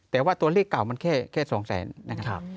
แต่ว่าตัวเลขเก่ามันแค่๒แสนนะครับ